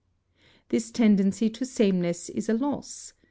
This tendency to sameness is a loss.